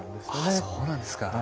ああそうなんですか。